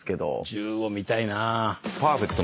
１０を見たいな。